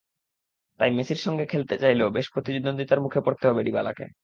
তাই মেসির সঙ্গে খেলতে চাইলেও বেশ প্রতিদ্বন্দ্বিতার মুখেই পড়তে হবে ডিবালাকে।